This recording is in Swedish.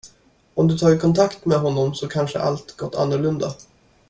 Om du tagit kontakt med honom så kanske allt gått annorlunda.